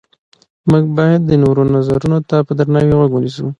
موږ باید د نورو نظرونو ته په درناوي غوږ ونیسو